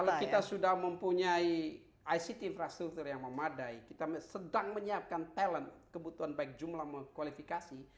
kalau kita sudah mempunyai ict infrastruktur yang memadai kita sedang menyiapkan talent kebutuhan baik jumlah mengkualifikasi